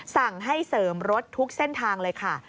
สั่งให้เสริมรถทุกเส้นทางเลยค่ะ